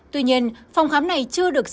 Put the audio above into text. tuy nhiên phòng khám này chưa được